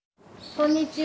こんにちは。